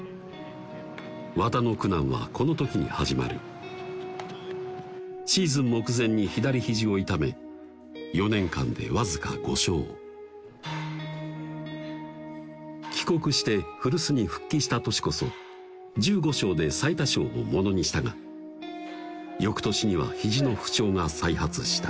和田の苦難はこの時に始まるシーズン目前に左肘を痛め４年間でわずか５勝帰国して古巣に復帰した年こそ１５勝で最多勝をものにしたが翌年には肘の不調が再発した